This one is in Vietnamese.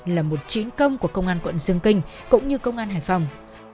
là một chiến công của công an quận dương kinh cũng như công an hải phòng